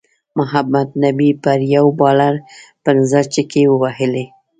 محمد نبی پر یو بالر پنځه چکی ووهلی